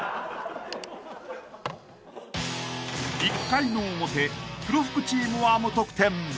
［１回の表黒服チームは無得点］